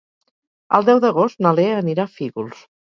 El deu d'agost na Lea anirà a Fígols.